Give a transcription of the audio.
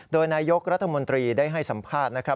โดยนายกรัฐมนตรีได้ให้สัมภาษณ์นะครับ